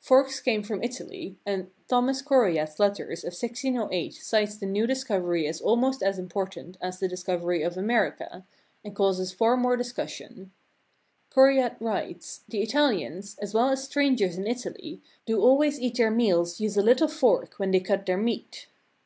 Forks came from Italy, and Thomas Coryat's letters of 1608 cites the new discovery as almost as important as the discovery of America, and causing far more dis cussion. Coryat writes : "The Ital ians, as well as strangers in Italy, do always at their meals use a little fork when they cut their meat."